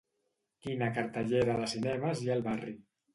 Quina cartellera de cinemes hi ha al barri